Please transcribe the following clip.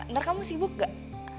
ntar kamu sibuk gak